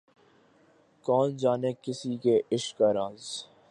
کون جانے کسی کے عشق کا راز